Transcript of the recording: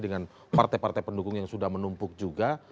dengan partai partai pendukung yang sudah menumpuk juga